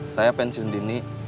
saya pensiun dini